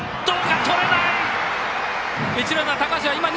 とれない！